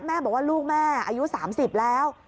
แม่บอกว่าลูกแม่อายุ๓๐แล้ว